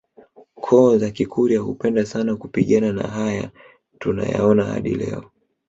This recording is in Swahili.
koo za Kikurya hupenda sana kupigana na haya tunayaona hadi leo hii